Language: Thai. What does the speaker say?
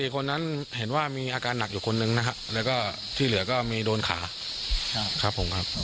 คนนั้นเห็นว่ามีอาการหนักอยู่คนนึงนะครับแล้วก็ที่เหลือก็มีโดนขาครับผมครับ